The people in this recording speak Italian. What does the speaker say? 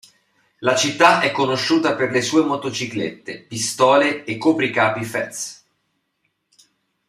La città è conosciuta per le sue motociclette, pistole e copricapi fez.